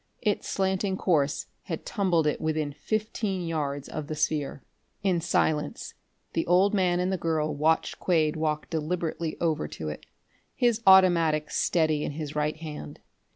Its slanting course had tumbled it within fifteen yards of the sphere. In silence the old man and the girl watched Quade walk deliberately over to it, his automatic steady in his right hand.